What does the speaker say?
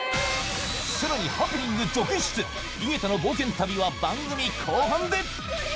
さらにハプニング続出井桁の冒険旅は番組後半で！